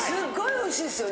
おいしいです。